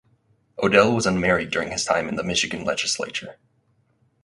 Odell was unmarried during his time in the Michigan Legislature.